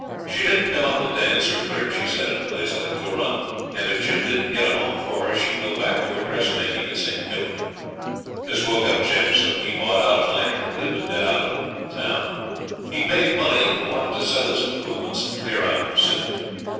She didn't come up to dance or flirt, she said, in a place like Turon, and if Jim didn't get a home for her she'd go back to her dressmaking at St. Kilda. This woke up Jim, so he bought out a miner who lived a bit out of the town. He had made money and wanted to sell his improvements and clear out for Sydney.